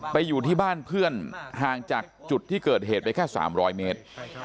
อยู่ที่บ้านเพื่อนห่างจากจุดที่เกิดเหตุไปแค่๓๐๐เมตร